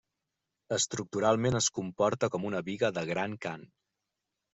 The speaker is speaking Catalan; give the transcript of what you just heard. Estructuralment es comporta com una biga de gran cant.